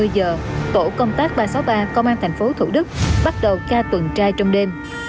hai mươi giờ tổ công tác ba trăm sáu mươi ba công an tp thủ đức bắt đầu ca tuần trai trong đêm